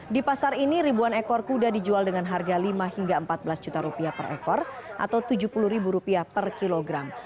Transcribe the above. di pasar ini ribuan ekor kuda dijual dengan harga lima hingga empat belas juta rupiah per ekor atau rp tujuh puluh ribu rupiah per kilogram